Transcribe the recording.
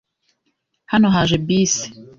Hano haje bus!